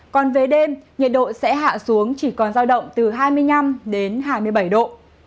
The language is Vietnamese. còn về đêm nhiệt độ sẽ hạ xuống chỉ còn giao động từ hai mươi năm đến hai mươi bảy độ